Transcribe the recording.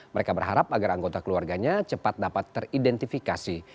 mereka berharap agar anggota keluarganya cepat dapat teridentifikasi